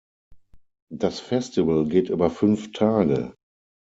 Das Festival geht über fünf Tage.